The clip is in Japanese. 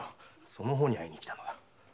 その方に会いに来たのだ。